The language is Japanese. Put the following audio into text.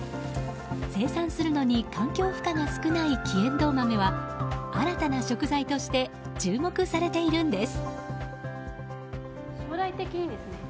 生産するのに環境負荷が少ない黄えんどう豆は新たな食材として注目されているんです。